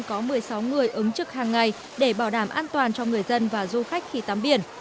có một mươi sáu người ứng trực hàng ngày để bảo đảm an toàn cho người dân và du khách khi tắm biển